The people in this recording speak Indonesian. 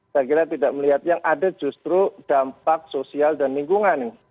saya kira tidak melihat yang ada justru dampak sosial dan lingkungan